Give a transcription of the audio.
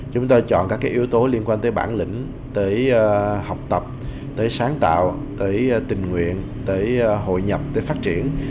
chúng tôi chọn các yếu tố liên quan tới bản lĩnh tới học tập tới sáng tạo tới tình nguyện tới hội nhập tới phát triển